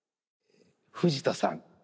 藤田さん